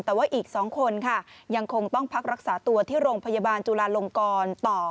แต่ว่าอีก๒คนค่ะยังคงต้องพักรักษาตัวที่โรงพยาบาลจุลาลงกรต่อ